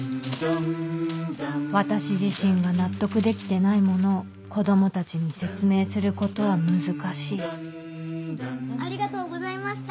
私自身が納得できてないものを子供たちに説明することは難しいありがとうございました！